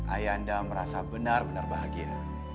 ayah anda merasa benar benar bahagia